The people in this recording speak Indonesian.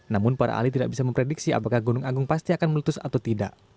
namun para ahli tidak bisa memprediksi apakah gunung agung pasti akan meletus atau tidak